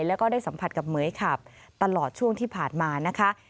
แล้วก็ได้สัมผัสกับเหมือยขับตลอดช่วงที่ผ่านมานะคะ